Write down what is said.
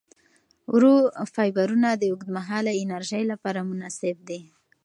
ورو فایبرونه د اوږدمهاله انرژۍ لپاره مناسب دي.